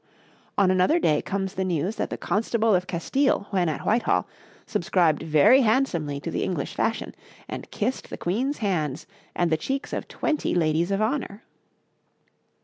On another day comes the news that the Constable of Castile when at Whitehall subscribed very handsomely to the English fashion, and kissed the Queen's hands and the cheeks of twenty ladies of honour.